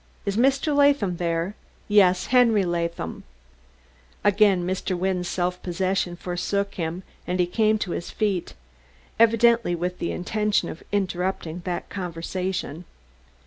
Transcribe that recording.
... Is Mr. Latham there? ... Yes, Henry Latham ...." Again Mr. Wynne's self possession forsook him, and he came to his feet, evidently with the intention of interrupting that conversation.